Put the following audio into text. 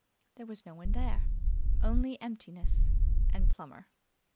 There was no one there, only emptiness and Plummer.